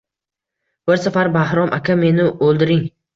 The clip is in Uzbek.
Bir safar Bahrom aka, meni o`ldiring